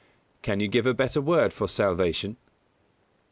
_Can you give a better word for salvation?